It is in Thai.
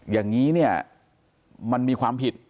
อย่างนี้เนี่ยมันมีความผิด